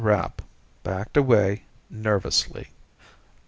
Rapp backed away, nervously.